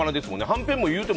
はんぺんも。